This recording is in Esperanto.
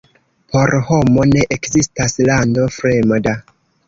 Por homo ne ekzistas lando fremda.